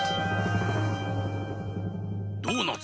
ドーナツ。